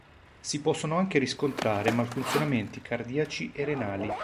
Si possono anche riscontrare malfunzionamenti cardiaci e renali.